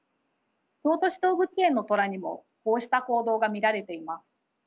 京都市動物園のトラにもこうした行動が見られています。